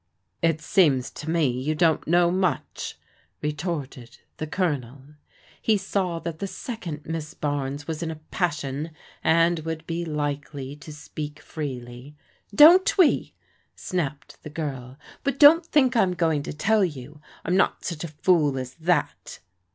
" It seems to me you don't know much," retorted the Colonel. He saw that the second Miss Barnes was in a passion, and would be likely to speak freely. " Don't we? " snapped the girl. " But don't thmk I'm going to tell you. I'm not such a fool as that.".